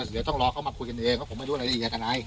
เดี๋ยวต้องรอเขามาคุยกันเองเพราะผมไม่รู้รายละเอียดอะไร